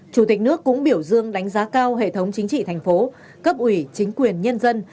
chủ tịch nước cũng biểu dương đánh giá cao hệ thống chính trị thành phố cấp ủy chính quyền nhân dân